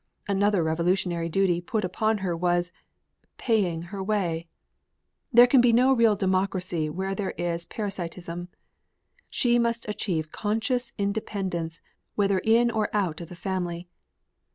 Another revolutionary duty put upon her was paying her way. There can be no real democracy where there is parasitism. She must achieve conscious independence whether in or out of the family.